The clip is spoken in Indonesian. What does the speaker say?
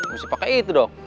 mesti pakai itu dong